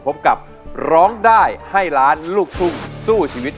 พบกับร้องได้ให้ล้านลูกทุ่งสู้ชีวิต